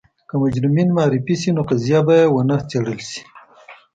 که مجرمین معرفي شي نو قضیه به یې ونه څېړل شي.